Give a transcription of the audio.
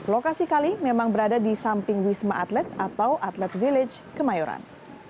lokasi kali memang berada di samping wisma atlet atau atlet village kemayoran